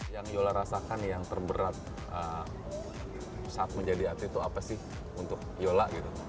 yang yola rasakan yang terberat saat menjadi atlet itu apa sih untuk yola gitu